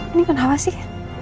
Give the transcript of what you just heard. ini kenapa sih